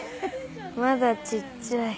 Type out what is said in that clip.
まだちっちゃい。